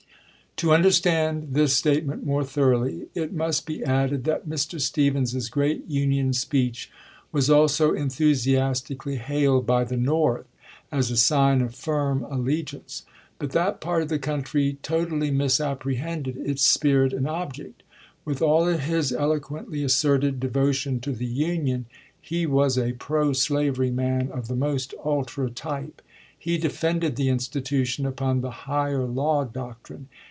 To understand this statement more thoroughly, it must be added that Mr. Stephens's great Union speech was also enthusiastically hailed by the North as a sign of firm allegiance. But that part of the country totally misapprehended its spirit and object. With all his eloquently asserted de votion to the Union, he was a pro slavery man of the most ultra type. He defended the institution upon the "higher law" doctrine.